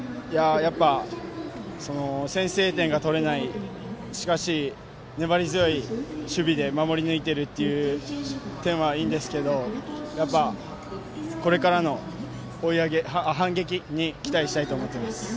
やっぱ、先制点が取れないしかし、粘り強い守備で守り抜いてるという点はいいんですけどやっぱ、これからの反撃に期待したいと思っています。